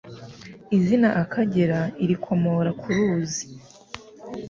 Izina Akagera irikomora ku ruzi